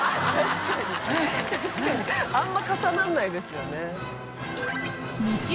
確かにあんまり重ならないですよね。